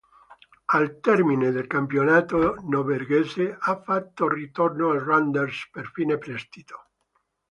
Al termine del campionato norvegese, ha fatto ritorno al Randers per fine prestito.